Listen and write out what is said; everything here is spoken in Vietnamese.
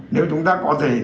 nếu chúng ta có thể